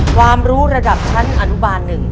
ความรู้ระดับชั้นอนุบาล๑